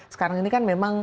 sekarang ini kan memang